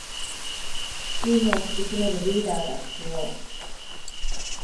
チームを引き締めるリーダーが必要